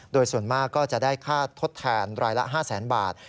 โดยส่วนมากก็จะได้ค่าทดแทนรายละ๕แสนบาท